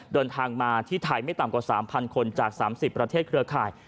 เดินทางมาที่ไทยไม่ต่ำกว่า๓๐๐คนจาก๓๐ประเทศเครือข่าย